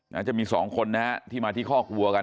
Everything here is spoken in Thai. น่าจะมีสองคนนะฮะที่มาที่คอกวัวกัน